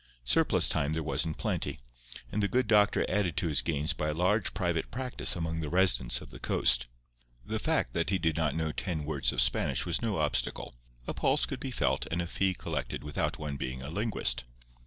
Surplus time there was in plenty; and the good doctor added to his gains by a large private practice among the residents of the coast. The fact that he did not know ten words of Spanish was no obstacle; a pulse could be felt and a fee collected without one being a linguist.